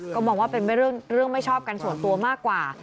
ก็มองว่าเป็นเรื่องไม่ชอบกันส่วนตัวมากกว่า